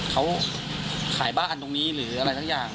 เขาขายบ้านตรงนี้หรืออะไรสักอย่าง